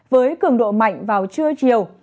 với cường độ mạnh vào trưa chiều